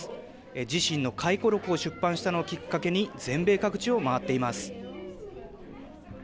自身の回顧録を出版したのをきっかけに全米各地を回っています。